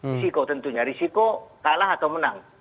risiko tentunya risiko kalah atau menang